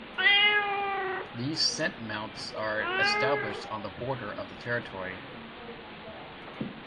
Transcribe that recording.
These scent mounts are established on the border of the territory.